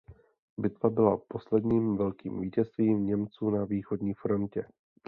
Bitva byla posledním velkým vítězstvím Němců na východní frontě.